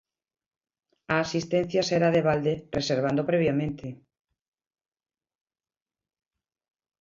A asistencia será de balde, reservando previamente.